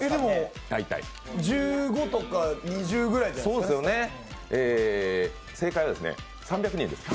１５とか２０ぐらいじゃないですか？